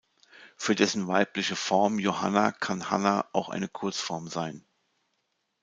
Für dessen weibliche Form Johanna kann „Hanna“ auch eine Kurzform sein.